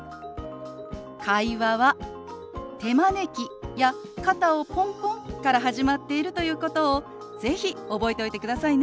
会話は手招きや肩をポンポンから始まっているということを是非覚えておいてくださいね。